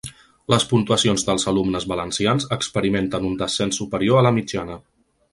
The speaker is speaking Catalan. Les puntuacions dels alumnes valencians experimenten un descens superior a la mitjana.